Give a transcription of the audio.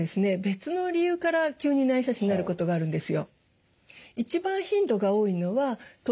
別の理由から急に内斜視になることがあるんですよ。